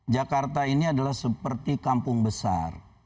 jakarta ini adalah seperti kampung besar